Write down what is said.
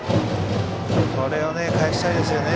これを返したいですよね